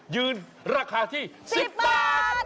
ยืนราคาที่๑๐บาท